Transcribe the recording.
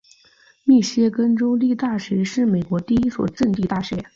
密歇根州立大学是美国第一所赠地大学。